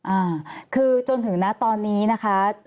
อ่าคือจนถึงนะตอนนี้นะคะ